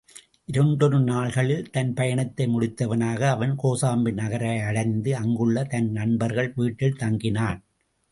இரண்டொரு நாள்களில் தன் பயணத்தை முடித்தவனாக அவன் கோசாம்பி நகரடைந்து, அங்குள்ள தன் நண்பர்கள் வீட்டில் தங்கினான்.